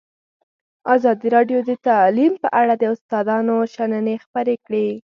ازادي راډیو د تعلیم په اړه د استادانو شننې خپرې کړي.